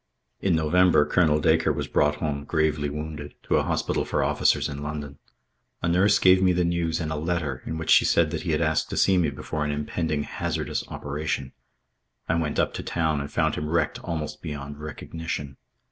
In November Colonel Dacre was brought home gravely wounded, to a hospital for officers in London. A nurse gave me the news in a letter in which she said that he had asked to see me before an impending hazardous operation. I went up to town and found him wrecked almost beyond recognition.